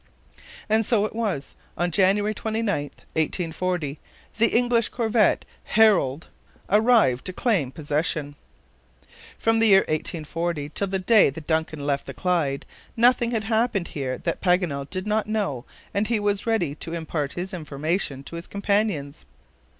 And so it was; on January 29, 1840, the English corvette HERALD arrived to claim possession. From the year 1840, till the day the DUNCAN left the Clyde, nothing had happened here that Paganel did not know and he was ready to impart his information to his companions.